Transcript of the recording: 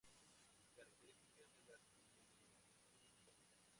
Características de la comunicación Digital